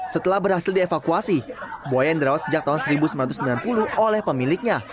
setelah berhasil dievakuasi buaya yang dirawat sejak tahun seribu sembilan ratus sembilan puluh oleh pemiliknya